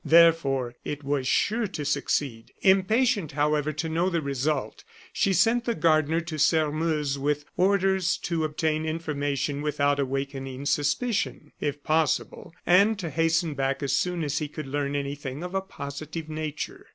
Therefore, it was sure to succeed. Impatient, however, to know the result, she sent the gardener to Sairmeuse with orders to obtain information without awakening suspicion, if possible, and to hasten back as soon as he could learn anything of a positive nature.